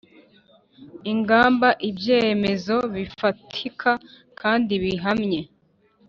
ingamba: ibyemezo bifatika kandi bihamye